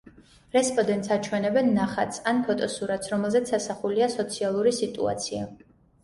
რესპონდენტს აჩვენებენ ნახატს ან ფოტოსურათს, რომელზეც ასახულია სოციალური სიტუაცია.